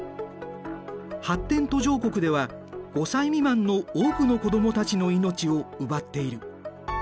発展途上国では５歳未満の多くの子供たちの命を奪っている。